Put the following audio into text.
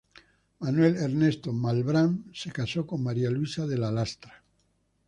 Manuel Ernesto Malbrán se casó con María Luisa de la Lastra.